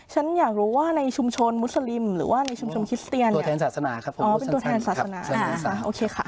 ฉันอยากรู้ว่าในชุมชนมุสลิมหรือว่าในชุมชนคิสเตียนโทษแทนศาสนาครับผมโทษธินศาสนาครับโอเคค่ะ